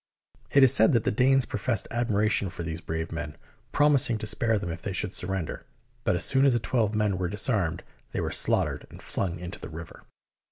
It is said that the Danes professed admiration for these brave men, promising to spare them if they should surrender, but as soon as the twelve men were disarmed, they were slaughtered and flung into the river.